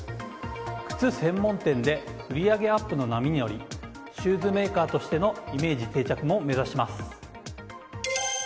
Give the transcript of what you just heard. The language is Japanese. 靴専門店で売り上げアップの波に乗りシューズメーカーとしてのイメージ定着も目指します。